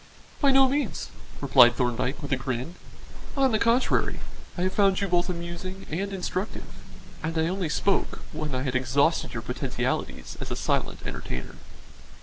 "By no means," replied Thorndyke, with a grin. "On the contrary, I have found you both amusing and instructive, and I only spoke when I had exhausted your potentialities as a silent entertainer."